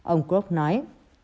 ông kroc nói